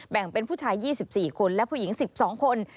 แบ่งเป็นผู้ชาย๒๔คนและผู้หญิง๑๒คน